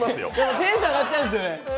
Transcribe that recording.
テンション上がっちゃうんですよね。